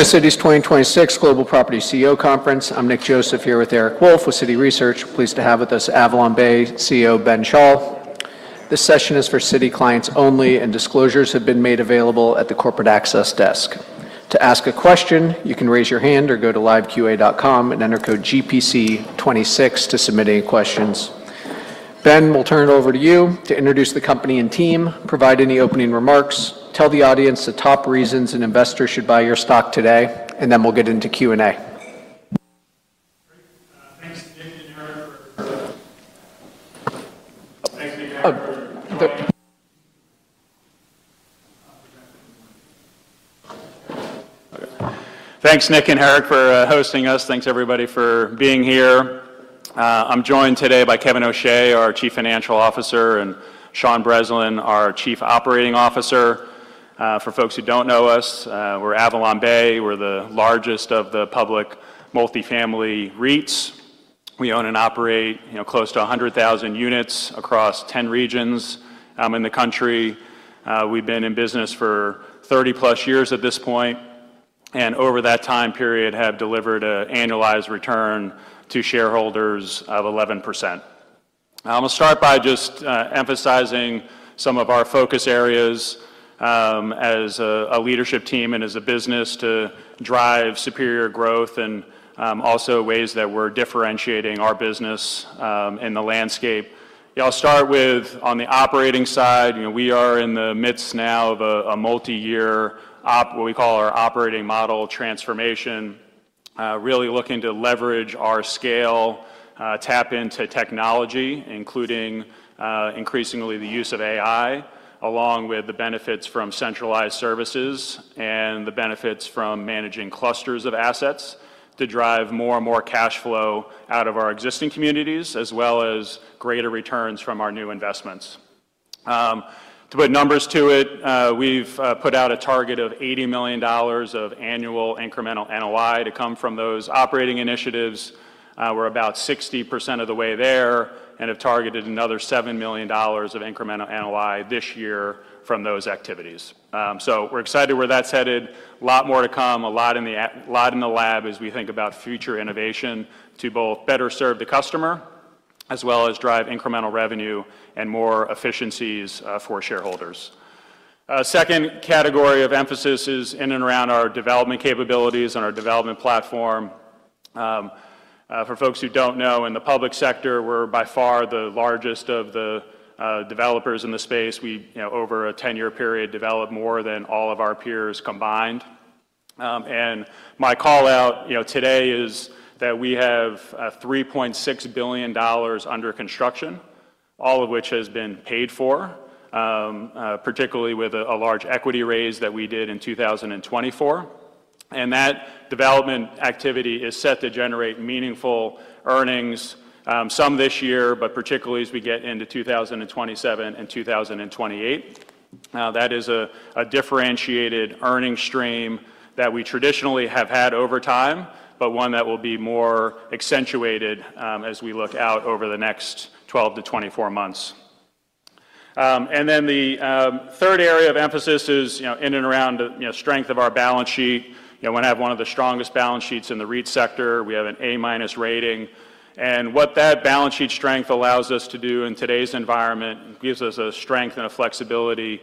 The Citi's 2026 global property CEO conference. I'm Nick Joseph here with Eric Wolfe with Citi Research. Pleased to have with us AvalonBay CEO Ben Schall. This session is for Citi clients only. Disclosures have been made available at the corporate access desk. To ask a question, you can raise your hand or go to liveqa.com and enter code GPC26 to submit any questions. Ben, we'll turn it over to you to introduce the company and team, provide any opening remarks, tell the audience the top reasons an investor should buy your stock today. Then we'll get into Q&A. Great. Thanks, Nick and Eric for coming. Thanks, Nick and Eric for hosting us. Thanks, everybody, for being here. I'm joined today by Kevin O'Shea, our Chief Financial Officer, and Sean Breslin, our Chief Operating Officer. For folks who don't know us, we're AvalonBay. We're the largest of the public multifamily REITs. We own and operate, you know, close to 100,000 units across 10 regions in the country. We've been in business for 30+ years at this point, and over that time period have delivered a annualized return to shareholders of 11%. I'm gonna start by just emphasizing some of our focus areas as a leadership team and as a business to drive superior growth and also ways that we're differentiating our business in the landscape. Yeah, I'll start with on the operating side. You know, we are in the midst now of what we call our Operating Model Transformation, really looking to leverage our scale, tap into technology, including increasingly the use of AI, along with the benefits from centralized services and the benefits from managing clusters of assets to drive more and more cash flow out of our existing communities, as well as greater returns from our new investments. To put numbers to it, we've put out a target of $80 million of annual incremental NOI to come from those operating initiatives. We're about 60% of the way there and have targeted another $7 million of incremental NOI this year from those activities. We're excited where that's headed. A lot more to come. A lot in the lab as we think about future innovation to both better serve the customer as well as drive incremental revenue and more efficiencies for shareholders. Second category of emphasis is in and around our development capabilities and our development platform. For folks who don't know, in the public sector, we're by far the largest of the developers in the space. We, you know, over a 10-year period, developed more than all of our peers combined. My call-out, you know, today is that we have $3.6 billion under construction, all of which has been paid for, particularly with a large equity raise that we did in 2024. That development activity is set to generate meaningful earnings, some this year, but particularly as we get into 2027 and 2028. That is a differentiated earning stream that we traditionally have had over time, but one that will be more accentuated as we look out over the next 12-24 months. Then the third area of emphasis is, you know, in and around the, you know, strength of our balance sheet. You know, when I have one of the strongest balance sheets in the REIT sector, we have an A- rating. What that balance sheet strength allows us to do in today's environment gives us a strength and a flexibility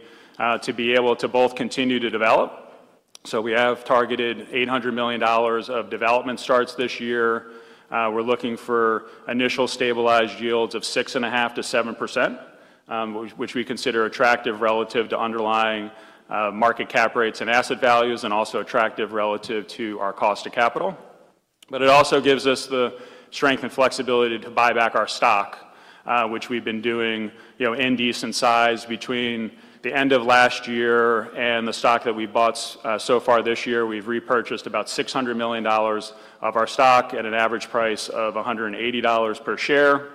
to be able to both continue to develop. We have targeted $800 million of development starts this year. We're looking for initial stabilized yields of 6.5%-7%, which we consider attractive relative to underlying market cap rates and asset values, and also attractive relative to our cost of capital. It also gives us the strength and flexibility to buy back our stock, which we've been doing, you know, in decent size between the end of last year and the stock that we bought so far this year. We've repurchased about $600 million of our stock at an average price of $180 per share.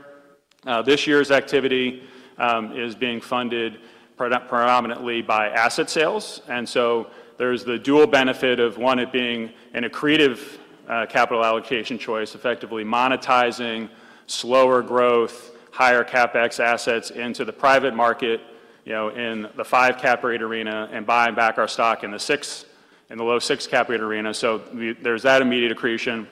This year's activity is being funded predominantly by asset sales. There's the dual benefit of, one, it being an accretive capital allocation choice, effectively monetizing slower growth, higher CapEx assets into the private market, you know, in the five cap rate arena, and buying back our stock in the low six cap rate arena. There's that immediate accretion.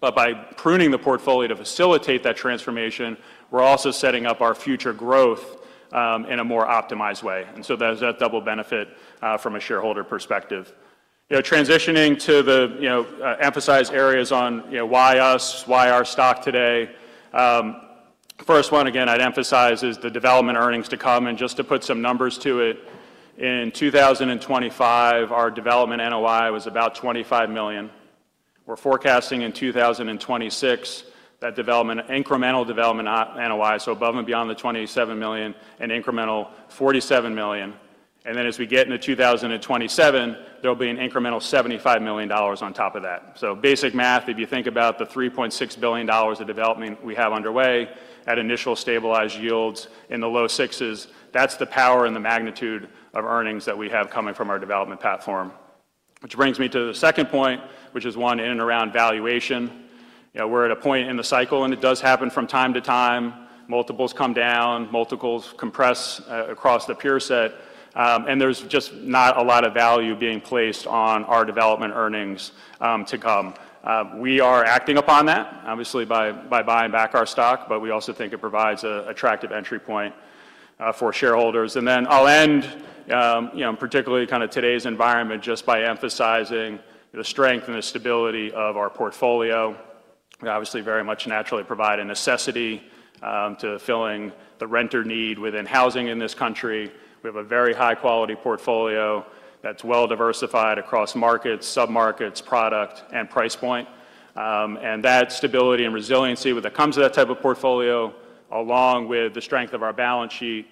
By pruning the portfolio to facilitate that transformation, we're also setting up our future growth in a more optimized way. There's that double benefit from a shareholder perspective. You know, transitioning to the, you know, emphasized areas on, you know, why us, why our stock today. First one, again, I'd emphasize is the development earnings to come, and just to put some numbers to it, in 2025, our development NOI was about $25 million. We're forecasting in 2026 that incremental development NOI, so above and beyond the $27 million, an incremental $47 million. As we get into 2027, there'll be an incremental $75 million on top of that. Basic math, if you think about the $3.6 billion of development we have underway at initial stabilized yields in the low sixes, that's the power and the magnitude of earnings that we have coming from our development platform. Which brings me to the second point, which is one in and around valuation. You know, we're at a point in the cycle, and it does happen from time to time, multiples come down, multiples compress across the peer set, and there's just not a lot of value being placed on our development earnings to come. We are acting upon that, obviously by buying back our stock, but we also think it provides a attractive entry point for shareholders. I'll end, you know, particularly kind of today's environment, just by emphasizing the strength and the stability of our portfolio. We obviously very much naturally provide a necessity to filling the renter need within housing in this country. We have a very high-quality portfolio that's well-diversified across markets, sub-markets, product, and price point. That stability and resiliency that comes with that type of portfolio, along with the strength of our balance sheet,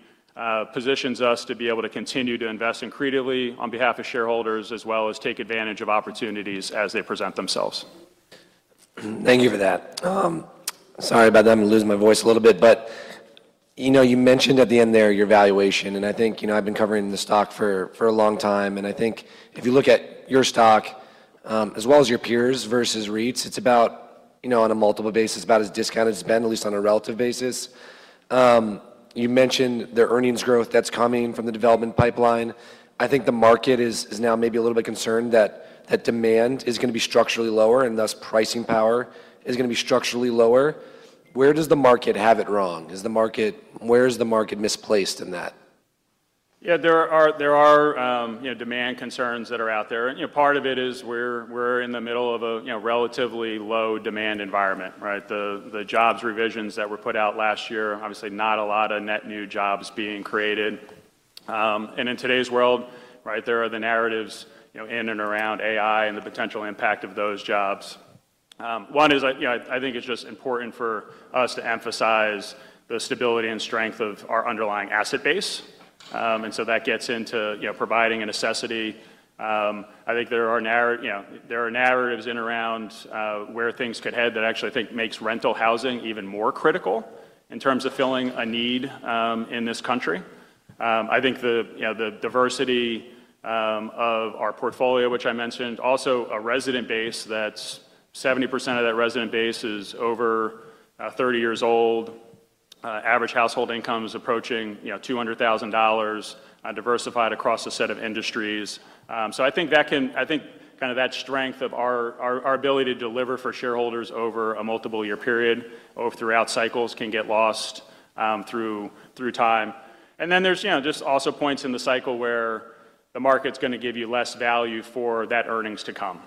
positions us to be able to continue to invest creatively on behalf of shareholders as well as take advantage of opportunities as they present themselves. Thank you for that. Sorry about that. I'm losing my voice a little bit. You know, you mentioned at the end there your valuation, and I think, you know, I've been covering the stock for a long time, and I think if you look at your stock, as well as your peers versus REITs, it's about, you know, on a multiple basis, about as discounted as it's been, at least on a relative basis. You mentioned the earnings growth that's coming from the development pipeline. I think the market is now maybe a little bit concerned that demand is going to be structurally lower and thus pricing power is going to be structurally lower. Where does the market have it wrong? Where is the market misplaced in that? Yeah, there are, you know, demand concerns that are out there. You know, part of it is we're in the middle of a, you know, relatively low demand environment, right? The, the jobs revisions that were put out last year, obviously not a lot of net new jobs being created. In today's world, right, there are the narratives, you know, in and around AI and the potential impact of those jobs. One is, you know, I think it's just important for us to emphasize the stability and strength of our underlying asset base. So that gets into, you know, providing a necessity. I think there are, you know, there are narratives in around where things could head that actually I think makes rental housing even more critical in terms of filling a need in this country. I think the, you know, the diversity of our portfolio, which I mentioned, also a resident base that's 70% of that resident base is over 30 years old. Average household income is approaching, you know, $200,000, diversified across a set of industries. I think kind of that strength of our ability to deliver for shareholders over a multiple year period or throughout cycles can get lost through time. There's, you know, just also points in the cycle where the market's going to give you less value for that earnings to come.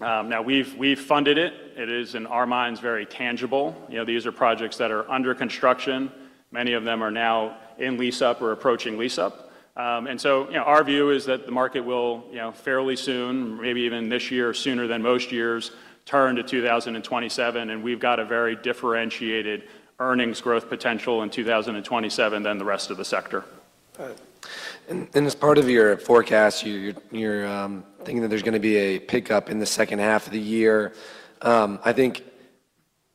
Now we've funded it. It is in our minds very tangible. You know, these are projects that are under construction. Many of them are now in lease-up or approaching lease-up. You know, our view is that the market will, you know, fairly soon, maybe even this year, sooner than most years, turn to 2027. We've got a very differentiated earnings growth potential in 2027 than the rest of the sector. All right. As part of your forecast, you're thinking that there's going to be a pickup in the second half of the year. I think,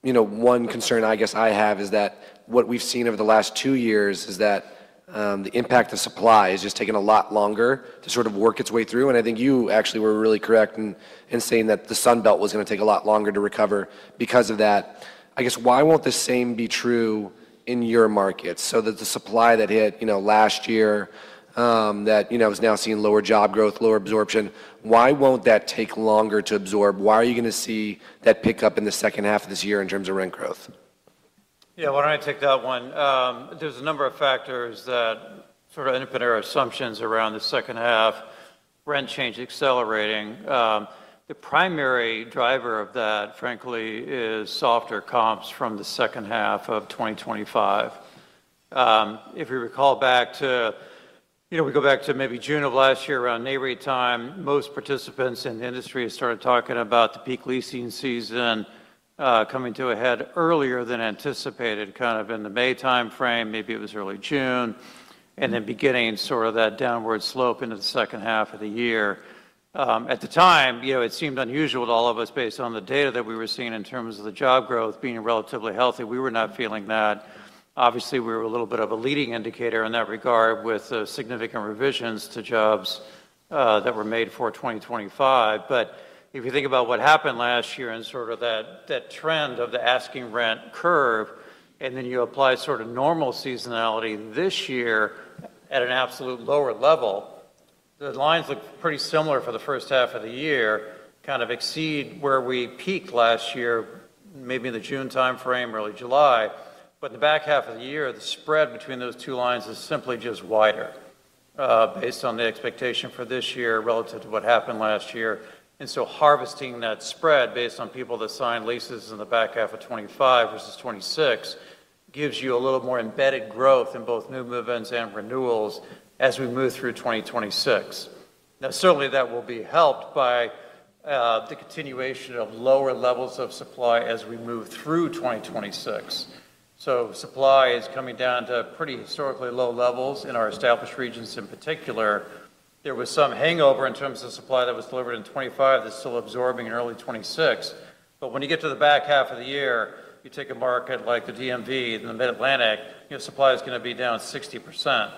you know, one concern I guess I have is that what we've seen over the last two years is that the impact of supply has just taken a lot longer to sort of work its way through. I think you actually were really correct in saying that the Sun Belt was going to take a lot longer to recover because of that. I guess why won't the same be true in your markets so that the supply that hit, you know, last year, that, you know, is now seeing lower job growth, lower absorption, why won't that take longer to absorb? Why are you going to see that pickup in the second half of this year in terms of rent growth? Why don't I take that one? There's a number of factors that sort of underpin our assumptions around the second half, rent change accelerating. The primary driver of that, frankly, is softer comps from the second half of 2025. If you recall back to, you know, we go back to maybe June of last year around NAREIT time, most participants in the industry started talking about the peak leasing season coming to a head earlier than anticipated, kind of in the May timeframe, maybe it was early June, and then beginning sort of that downward slope into the second half of the year. At the time, you know, it seemed unusual to all of us based on the data that we were seeing in terms of the job growth being relatively healthy. We were not feeling that. Obviously, we were a little bit of a leading indicator in that regard with significant revisions to jobs that were made for 2025. If you think about what happened last year and sort of that trend of the asking rent curve, and then you apply sort of normal seasonality this year at an absolute lower level, the lines look pretty similar for the first half of the year, kind of exceed where we peaked last year, maybe in the June timeframe, early July. The back half of the year, the spread between those two lines is simply just wider, based on the expectation for this year relative to what happened last year. Harvesting that spread based on people that signed leases in the back half of 2025 versus 2026 gives you a little more embedded growth in both new movements and renewals as we move through 2026. Certainly that will be helped by the continuation of lower levels of supply as we move through 2026. Supply is coming down to pretty historically low levels in our established regions in particular. There was some hangover in terms of supply that was delivered in 2025 that's still absorbing in early 2026. When you get to the back half of the year, you take a market like the DMV in the Mid-Atlantic, you know, supply is going to be down 60%.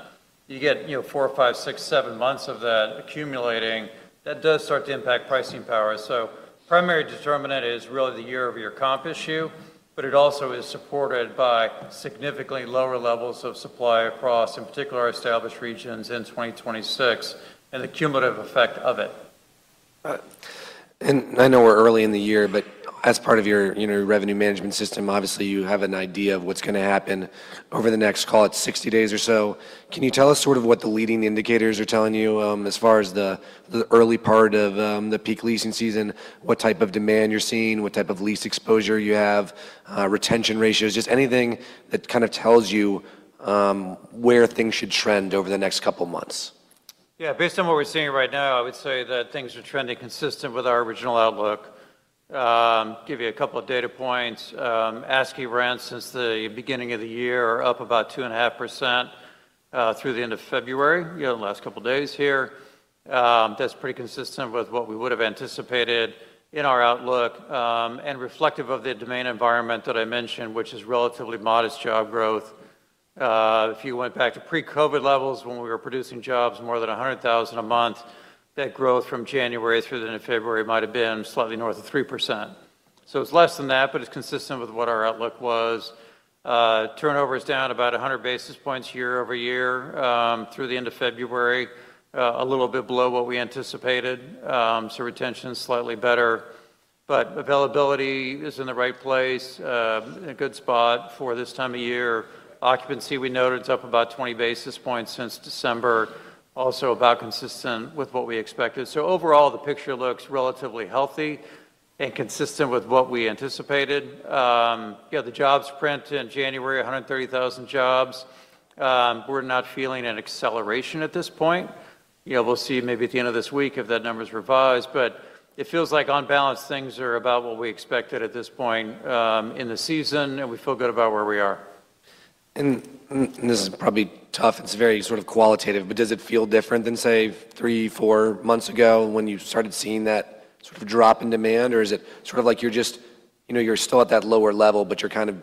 You get, you know, four, five, six, seven months of that accumulating, that does start to impact pricing power. Primary determinant is really the year-over-year comp issue, but it also is supported by significantly lower levels of supply across, in particular, established regions in 2026 and the cumulative effect of it. I know we're early in the year, but as part of your revenue management system, obviously you have an idea of what's going to happen over the next, call it 60 days or so. Can you tell us sort of what the leading indicators are telling you as far as the early part of the peak leasing season, what type of demand you're seeing, what type of lease exposure you have, retention ratios, just anything that kind of tells you where things should trend over the next couple months? Yeah, based on what we're seeing right now, I would say that things are trending consistent with our original outlook. Give you a couple of data points. Asking rents since the beginning of the year are up about 2.5% through the end of February, you know, the last couple of days here. That's pretty consistent with what we would have anticipated in our outlook and reflective of the domain environment that I mentioned, which is relatively modest job growth. If you went back to pre-COVID levels when we were producing jobs more than 100,000 a month, that growth from January through the end of February might have been slightly north of 3%. It's less than that, but it's consistent with what our outlook was. Turnover is down about 100 basis points year-over-year through the end of February, a little bit below what we anticipated. Retention is slightly better, but availability is in the right place, a good spot for this time of year. Occupancy, we noted, is up about 20 basis points since December, also about consistent with what we expected. Overall, the picture looks relatively healthy and consistent with what we anticipated. You know, the jobs print in January, 130,000 jobs. We're not feeling an acceleration at this point. You know, we'll see maybe at the end of this week if that number is revised, but it feels like on balance things are about what we expected at this point in the season, and we feel good about where we are. This is probably tough. It's very sort of qualitative, but does it feel different than, say, three, four months ago when you started seeing that sort of drop in demand? Is it sort of like you're just, you know, you're still at that lower level, but you're kind of,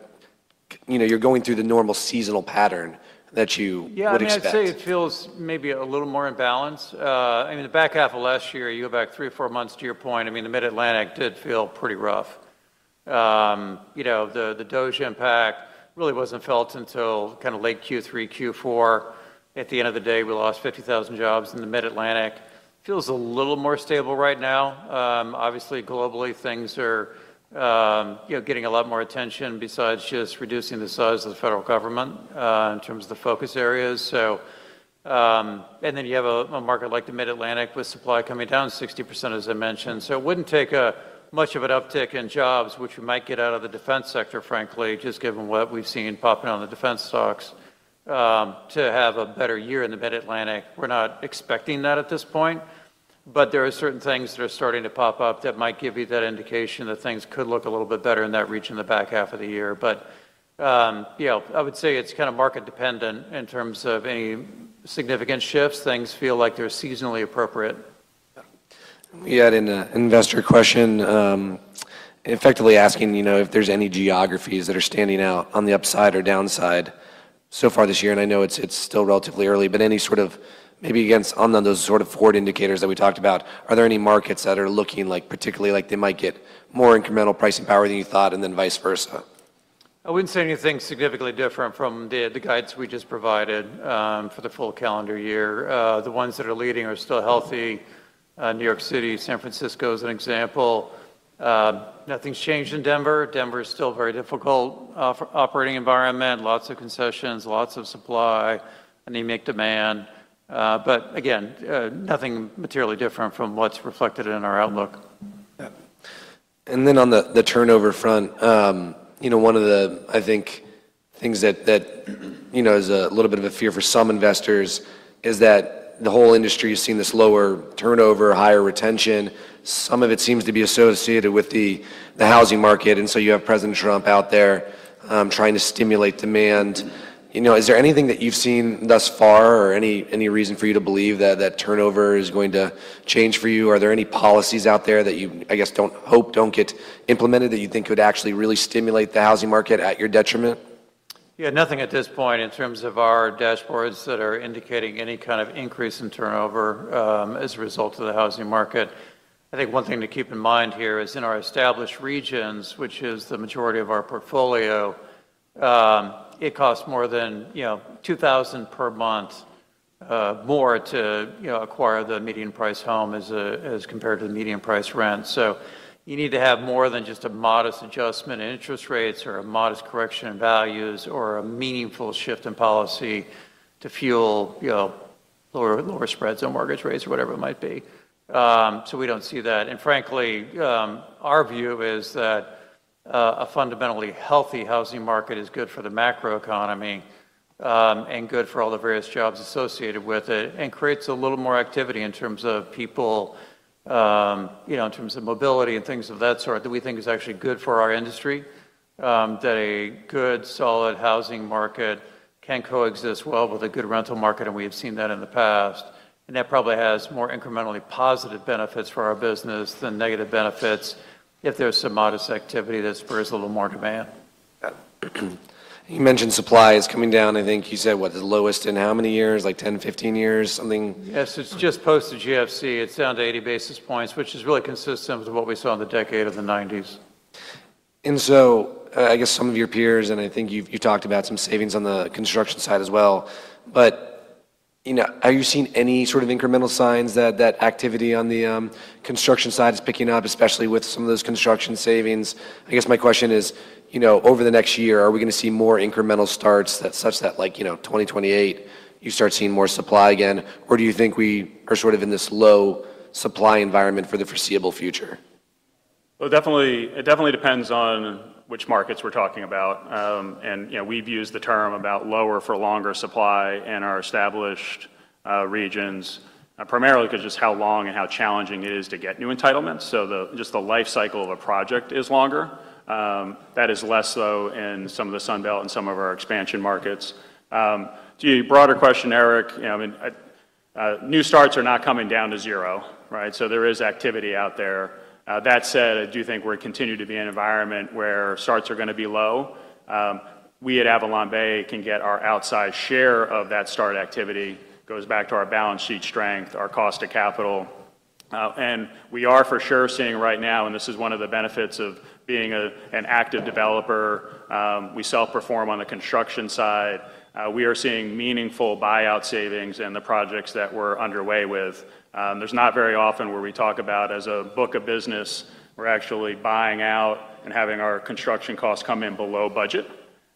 you know, you're going through the normal seasonal pattern that you would expect? I mean, I'd say it feels maybe a little more in balance. I mean, the back half of last year, you go back three or four months to your point. I mean, the Mid-Atlantic did feel pretty rough. You know, the DOGE impact really wasn't felt until kind of late Q3, Q4. At the end of the day, we lost 50,000 jobs in the Mid-Atlantic. Feels a little more stable right now. Obviously, globally, things are, you know, getting a lot more attention besides just reducing the size of the federal government in terms of the focus areas. You have a market like the Mid-Atlantic with supply coming down 60%, as I mentioned. It wouldn't take much of an uptick in jobs, which we might get out of the defense sector, frankly, just given what we've seen popping on the defense stocks to have a better year in the Mid-Atlantic. We're not expecting that at this point, there are certain things that are starting to pop up that might give you that indication that things could look a little bit better in that region in the back half of the year. You know, I would say it's kind of market dependent in terms of any significant shifts. Things feel like they're seasonally appropriate. Let me add in an investor question effectively asking, you know, if there's any geographies that are standing out on the upside or downside so far this year. I know it's still relatively early, but any sort of maybe against on those sort of forward indicators that we talked about, are there any markets that are looking like particularly like they might get more incremental pricing power than you thought and then vice versa? I wouldn't say anything significantly different from the guides we just provided for the full calendar year. The ones that are leading are still healthy. New York City, San Francisco is an example. Nothing's changed in Denver. Denver is still very difficult operating environment, lots of concessions, lots of supply, anemic demand. Again, nothing materially different from what's reflected in our outlook. On the turnover front, you know, one of the, I think, things that, you know, is a little bit of a fear for some investors is that the whole industry has seen this lower turnover, higher retention. Some of it seems to be associated with the housing market. You have President Trump out there trying to stimulate demand. You know, is there anything that you've seen thus far or any reason for you to believe that that turnover is going to change for you? Are there any policies out there that you, I guess, don't hope don't get implemented that you think could actually really stimulate the housing market at your detriment? Nothing at this point in terms of our dashboards that are indicating any kind of increase in turnover as a result of the housing market. I think one thing to keep in mind here is in our established regions, which is the majority of our portfolio, it costs more than, you know, $2,000 per month more to acquire the median price home as compared to the median price rent. You need to have more than just a modest adjustment in interest rates or a modest correction in values or a meaningful shift in policy to fuel, you know, lower spreads on mortgage rates or whatever it might be. We don't see that. Frankly, our view is that a fundamentally healthy housing market is good for the macro economy and good for all the various jobs associated with it and creates a little more activity in terms of people, you know, in terms of mobility and things of that sort that we think is actually good for our industry, that a good, solid housing market can coexist well with a good rental market. We have seen that in the past. That probably has more incrementally positive benefits for our business than negative benefits if there's some modest activity that spurs a little more demand. You mentioned supply is coming down. I think you said, what, the lowest in how many years? Like 10, 15 years, something. Yes, it's just post the GFC. It's down to 80 basis points, which is really consistent with what we saw in the decade of the 90s. I guess some of your peers, and I think you've talked about some savings on the construction side as well. You know, are you seeing any sort of incremental signs that activity on the construction side is picking up, especially with some of those construction savings? I guess my question is, you know, over the next year, are we going to see more incremental starts that such that like, you know, 2028, you start seeing more supply again? Do you think we are sort of in this low supply environment for the foreseeable future? Well, it definitely depends on which markets we're talking about. You know, we've used the term about lower for longer supply in our established regions, primarily because just how long and how challenging it is to get new entitlements. Just the life cycle of a project is longer. That is less so in some of the Sunbelt and some of our expansion markets. To your broader question, Eric, you know, new starts are not coming down to zero, right? There is activity out there. That said, I do think we're continuing to be in an environment where starts are going to be low. We at AvalonBay can get our outside share of that start activity. It goes back to our balance sheet strength, our cost of capital. We are for sure seeing right now, and this is one of the benefits of being an active developer, we self-perform on the construction side. We are seeing meaningful buyout savings in the projects that we're underway with. There's not very often where we talk about as a book of business, we're actually buying out and having our construction costs come in below budget.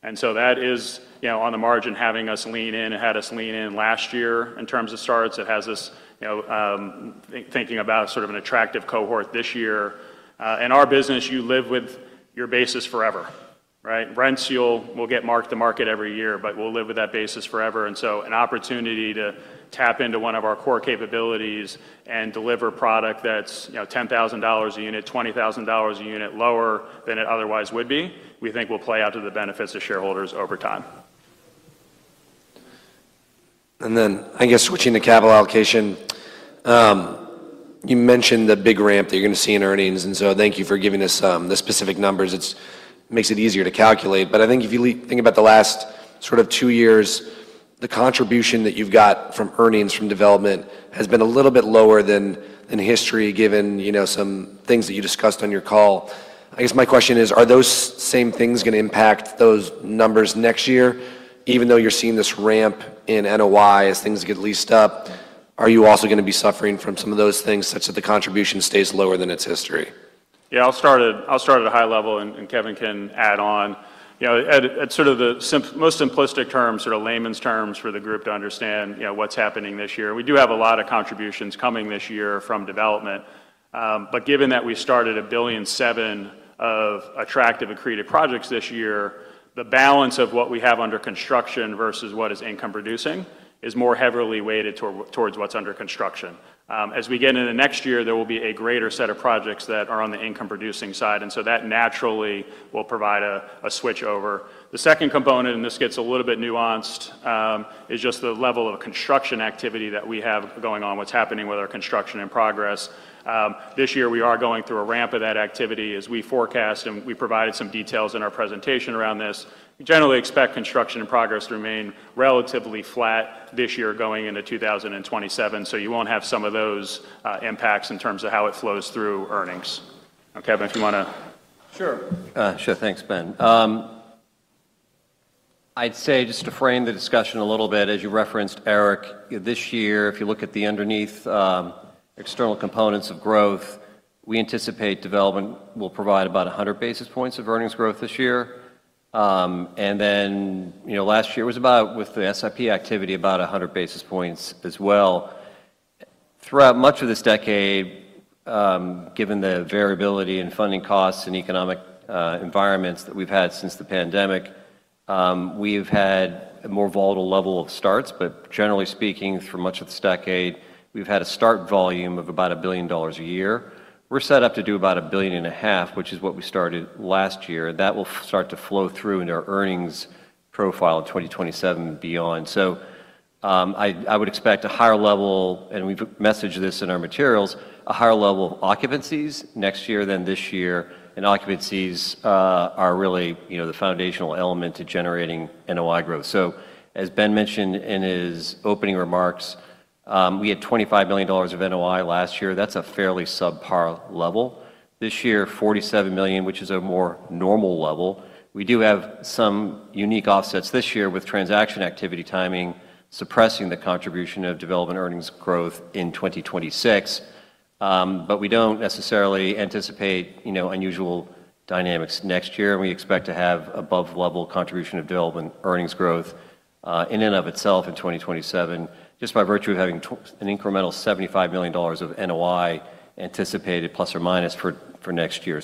That is, you know, on the margin having us lean in. It had us lean in last year in terms of starts. It has us, you know, thinking about sort of an attractive cohort this year. In our business, you live with your basis forever, right? Rents, you'll get marked to market every year, but we'll live with that basis forever. An opportunity to tap into one of our core capabilities and deliver product that's, you know, $10,000 a unit, $20,000 a unit lower than it otherwise would be, we think will play out to the benefits of shareholders over time. I guess switching to capital allocation, you mentioned the big ramp that you're going to see in earnings. Thank you for giving us the specific numbers. It makes it easier to calculate. I think if you think about the last sort of two years, the contribution that you've got from earnings from development has been a little bit lower than in history, given, you know, some things that you discussed on your call. I guess my question is, are those same things going to impact those numbers next year, even though you're seeing this ramp in NOI as things get leased up? Are you also going to be suffering from some of those things such that the contribution stays lower than its history? Yeah, I'll start at a high level and Kevin can add on. You know, at sort of the most simplistic terms, sort of layman's terms for the group to understand, you know, what's happening this year. We do have a lot of contributions coming this year from development. Given that we started $1.7 billion of attractive accretive projects this year, the balance of what we have under construction versus what is income producing is more heavily weighted towards what's under construction. As we get into next year, there will be a greater set of projects that are on the income producing side. That naturally will provide a switch over. The second component, and this gets a little bit nuanced, is just the level of construction activity that we have going on, what's happening with our construction in progress. This year, we are going through a ramp of that activity as we forecast and we provided some details in our presentation around this. We generally expect construction in progress to remain relatively flat this year going into 2027. You won't have some of those impacts in terms of how it flows through earnings. Kevin, if you want to. Sure. Sure. Thanks, Ben. I'd say just to frame the discussion a little bit, as you referenced, Eric, this year, if you look at the underneath external components of growth, we anticipate development will provide about 100 basis points of earnings growth this year. You know, last year was about with the SIP activity about 100 basis points as well. Throughout much of this decade, given the variability in funding costs and economic environments that we've had since the pandemic, we've had a more volatile level of starts. Generally speaking, through much of this decade, we've had a start volume of about $1 billion a year. We're set up to do about $1.5 billion, which is what we started last year. That will start to flow through in our earnings profile in 2027 and beyond. I would expect a higher level, and we've messaged this in our materials, a higher level of occupancies next year than this year. Occupancies are really, you know, the foundational element to generating NOI growth. As Ben mentioned in his opening remarks, we had $25 million of NOI last year. That's a fairly subpar level. This year, $47 million, which is a more normal level. We do have some unique offsets this year with transaction activity timing suppressing the contribution of development earnings growth in 2026. We don't necessarily anticipate, you know, unusual dynamics next year. We expect to have above level contribution of development earnings growth in and of itself in 2027, just by virtue of having an incremental $75 million of NOI anticipated ± for next year.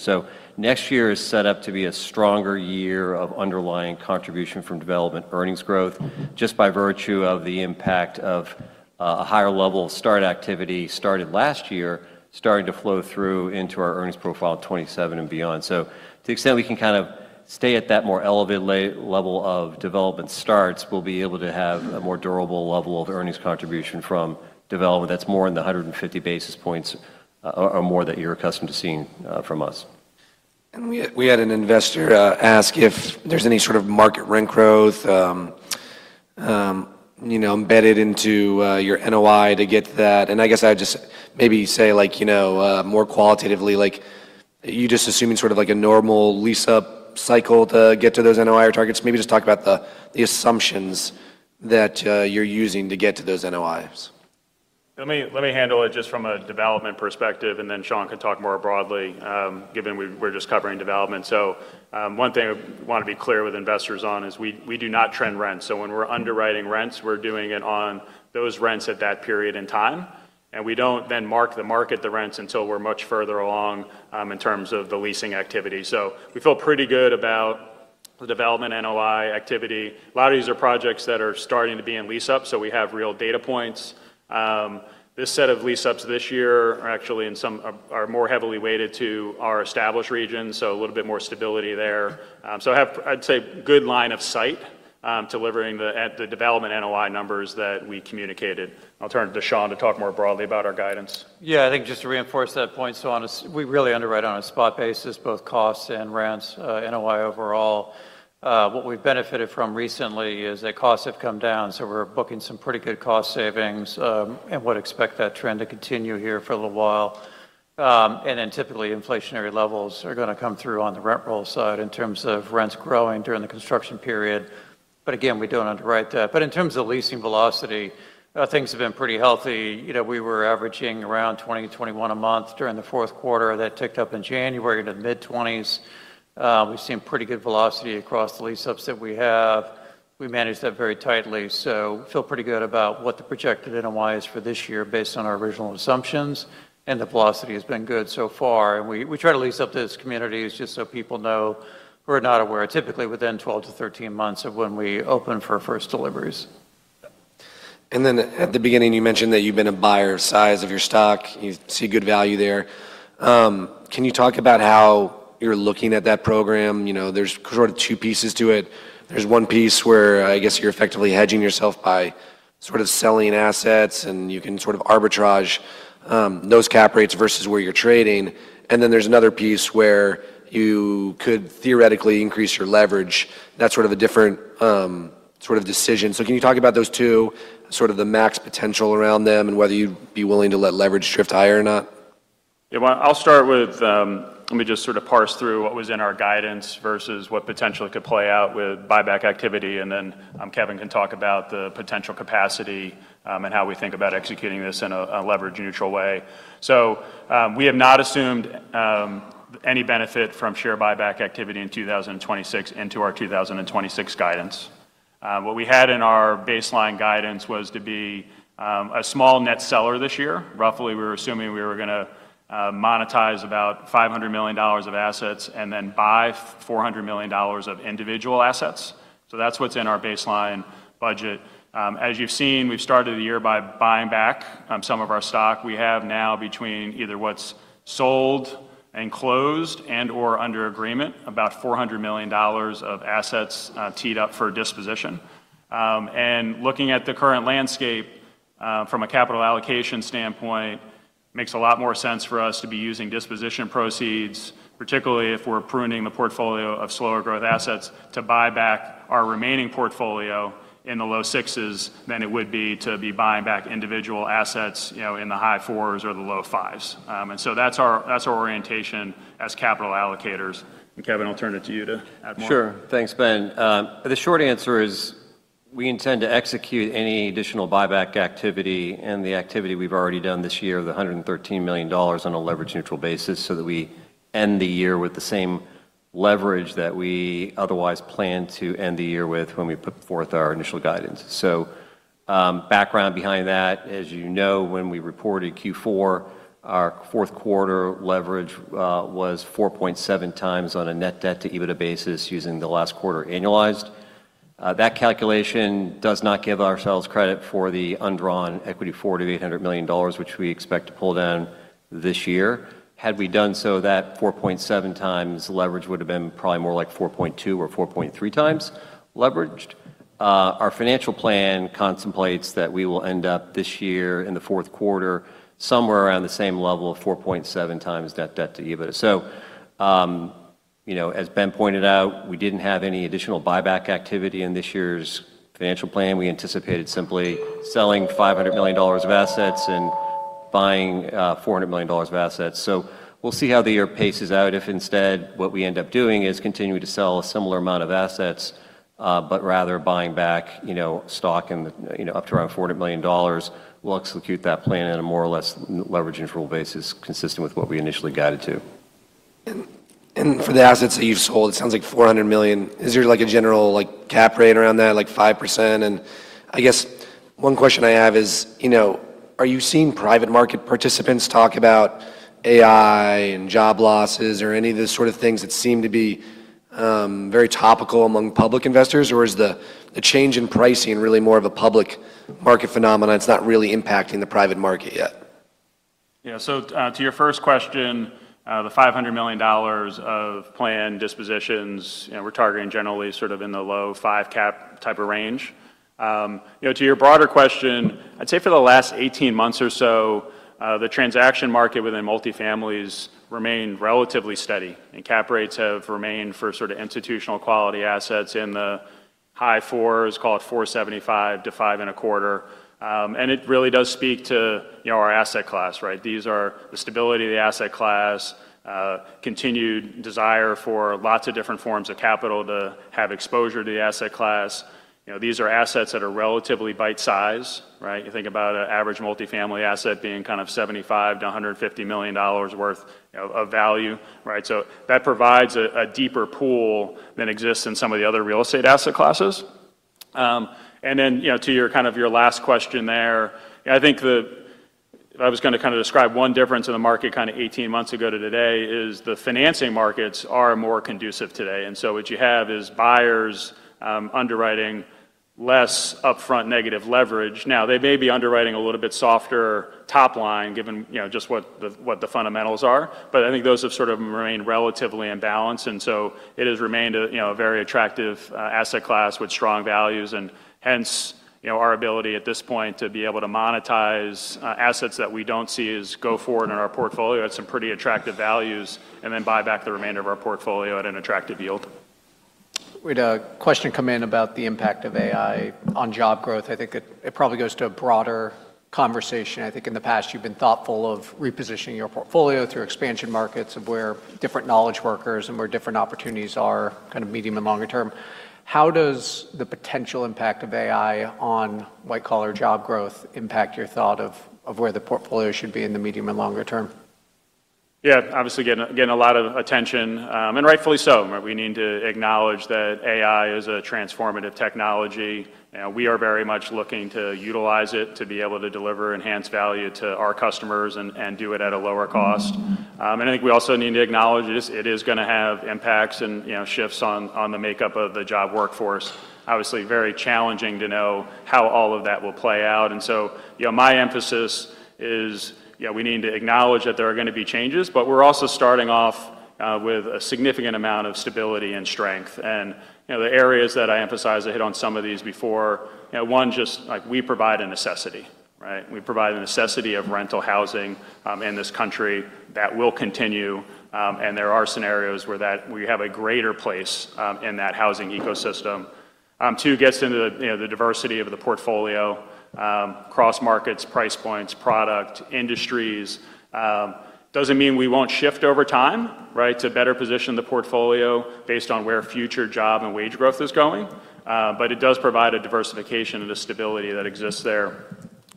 Next year is set up to be a stronger year of underlying contribution from development earnings growth, just by virtue of the impact of a higher level of start activity started last year starting to flow through into our earnings profile in 2027 and beyond. To the extent we can kind of stay at that more elevated level of development starts, we'll be able to have a more durable level of earnings contribution from development that's more in the 150 basis points or more that you're accustomed to seeing from us. We had an investor ask if there's any sort of market rent growth, you know, embedded into your NOI to get that. I guess I'd just maybe say, like, you know, more qualitatively, like, you just assuming sort of like a normal lease-up cycle to get to those NOI targets. Maybe just talk about the assumptions that you're using to get to those NOIs. Let me handle it just from a development perspective, and then Sean can talk more broadly, given we're just covering development. One thing I wanna be clear with investors on is we do not trend rent. When we're underwriting rents, we're doing it on those rents at that period in time, and we don't then mark the market the rents until we're much further along in terms of the leasing activity. We feel pretty good about the development NOI activity. A lot of these are projects that are starting to be in lease-up, so we have real data points. This set of lease-ups this year are actually in some are more heavily weighted to our established regions, so a little bit more stability there. I have, I'd say, good line of sight, delivering the development NOI numbers that we communicated. I'll turn it to Sean to talk more broadly about our guidance. Yeah, I think just to reinforce that point, we really underwrite on a spot basis, both costs and rents, NOI overall. What we've benefited from recently is that costs have come down, so we're booking some pretty good cost savings, and would expect that trend to continue here for a little while. Typically inflationary levels are gonna come through on the rent roll side in terms of rents growing during the construction period. Again, we don't underwrite that. In terms of leasing velocity, things have been pretty healthy. You know, we were averaging around 20-21 a month during the fourth quarter. That ticked up in January to the mid-20s. We've seen pretty good velocity across the lease-ups that we have. We manage that very tightly. Feel pretty good about what the projected NOI is for this year based on our original assumptions. The velocity has been good so far. We try to lease up those communities just so people know who are not aware, typically within 12 to 13 months of when we open for first deliveries. At the beginning, you mentioned that you've been a buyer of size of your stock. You see good value there. Can you talk about how you're looking at that program? You know, there's sort of two pieces to it. There's one piece where I guess you're effectively hedging yourself by sort of selling assets, and you can sort of arbitrage, those cap rates versus where you're trading. There's another piece where you could theoretically increase your leverage. That's sort of a different, sort of decision. Can you talk about those two, sort of the max potential around them and whether you'd be willing to let leverage drift higher or not? Well, I'll start with, let me just sort of parse through what was in our guidance versus what potentially could play out with buyback activity, and then, Kevin can talk about the potential capacity, and how we think about executing this in a leverage-neutral way. We have not assumed any benefit from share buyback activity in 2026 into our 2026 guidance. What we had in our baseline guidance was to be a small net seller this year. Roughly, we were assuming we were gonna monetize about $500 million of assets and then buy $400 million of individual assets. That's what's in our baseline budget. As you've seen, we've started the year by buying back some of our stock. We have now between either what's sold and closed and/or under agreement about $400 million of assets, teed up for disposition. Looking at the current landscape, from a capital allocation standpoint, makes a lot more sense for us to be using disposition proceeds, particularly if we're pruning the portfolio of slower growth assets to buy back our remaining portfolio in the low 6s than it would be to be buying back individual assets, you know, in the high 4s or the low 5s. That's our, that's our orientation as capital allocators. Kevin, I'll turn it to you to add more. Sure. Thanks, Ben. The short answer is we intend to execute any additional buyback activity and the activity we've already done this year, the $113 million, on a leverage-neutral basis so that we end the year with the same leverage that we otherwise planned to end the year with when we put forth our initial guidance. Background behind that, as you know, when we reported Q4, our fourth quarter leverage was 4.7x on a net debt to EBITDA basis using the last quarter annualized. That calculation does not give ourselves credit for the undrawn equity $400 million-$800 million, which we expect to pull down this year. Had we done so, that 4.7x leverage would've been probably more like 4.2x or 4.3x leveraged. Our financial plan contemplates that we will end up this year in the fourth quarter somewhere around the same level of 4.7x net debt to EBITDA. You know, as Ben pointed out, we didn't have any additional buyback activity in this year's financial plan. We anticipated simply selling $500 million of assets and buying $400 million of assets. We'll see how the year paces out. If instead what we end up doing is continuing to sell a similar amount of assets, but rather buying back, you know, stock and, you know, up to around $400 million, we'll execute that plan in a more or less leverage-neutral basis consistent with what we initially guided to. For the assets that you've sold, it sounds like $400 million. Is there like a general like cap rate around that, like 5%? I guess one question I have is, you know, are you seeing private market participants talk about AI and job losses or any of the sort of things that seem to be very topical among public investors? Or is the change in pricing really more of a public market phenomenon that's not really impacting the private market yet? Yeah. To your first question, the $500 million of planned dispositions, you know, we're targeting generally sort of in the low five cap type of range. You know, to your broader question, I'd say for the last 18 months or so, the transaction market within multifamily remained relatively steady, cap rates have remained for sort of institutional quality assets in the high 4s, call it 4.75%-5.25%. It really does speak to, you know, our asset class, right? These are the stability of the asset class, continued desire for lots of different forms of capital to have exposure to the asset class. You know, these are assets that are relatively bite-size, right? You think about an average multifamily asset being kind of $75 million-$150 million worth, you know, of value, right? That provides a deeper pool than exists in some of the other real estate asset classes. You know, to your kind of your last question there, I think if I was gonna kinda describe one difference in the market kinda 18 months ago to today is the financing markets are more conducive today. What you have is buyers underwriting less upfront negative leverage. Now, they may be underwriting a little bit softer top line, given, you know, just what the, what the fundamentals are, but I think those have sort of remained relatively in balance. It has remained a, you know, a very attractive, asset class with strong values, and hence, you know, our ability at this point to be able to monetize, assets that we don't see as go forward in our portfolio at some pretty attractive values, and then buy back the remainder of our portfolio at an attractive yield. We had a question come in about the impact of AI on job growth. I think it probably goes to a broader conversation. I think in the past you've been thoughtful of repositioning your portfolio through expansion markets of where different knowledge workers and where different opportunities are kind of medium and longer term. How does the potential impact of AI on white-collar job growth impact your thought of where the portfolio should be in the medium and longer term? Yeah. Obviously, again, a lot of attention, and rightfully so. We need to acknowledge that AI is a transformative technology. You know, we are very much looking to utilize it to be able to deliver enhanced value to our customers and do it at a lower cost. I think we also need to acknowledge this. It is gonna have impacts and, you know, shifts on the makeup of the job workforce. Obviously, very challenging to know how all of that will play out. So, you know, my emphasis is, you know, we need to acknowledge that there are gonna be changes, but we're also starting off with a significant amount of stability and strength. You know, the areas that I emphasize, I hit on some of these before, you know, one, just like we provide a necessity, right? We provide a necessity of rental housing, in this country that will continue. There are scenarios where that we have a greater place, in that housing ecosystem. Two gets into the, you know, the diversity of the portfolio, cross-markets, price points, product, industries. Doesn't mean we won't shift over time, right, to better position the portfolio based on where future job and wage growth is going, but it does provide a diversification and the stability that exists there.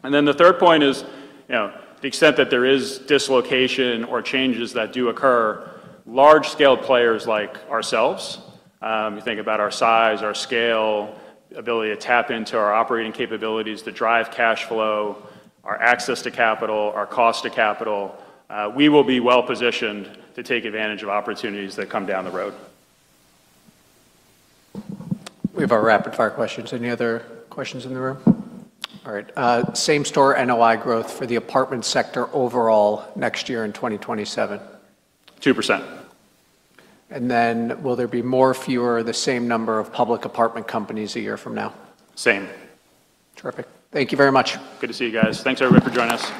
The third point is, you know, the extent that there is dislocation or changes that do occur, large-scale players like ourselves, you think about our size, our scale, ability to tap into our operating capabilities to drive cash flow, our access to capital, our cost to capital, we will be well-positioned to take advantage of opportunities that come down the road. We have our rapid fire questions. Any other questions in the room? All right. Same store NOI growth for the apartment sector overall next year in 2027. 2%. Will there be more, fewer, the same number of public apartment companies a year from now? Same. Terrific. Thank you very much. Good to see you guys. Thanks, everyone, for joining us.